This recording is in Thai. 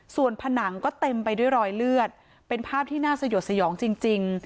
ส่วนผนังก็เต็มไปด้วยรอยเลือดเป็นภาพที่น่าสยดสยองจริง